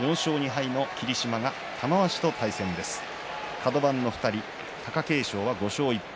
カド番の２人、貴景勝は５勝１敗。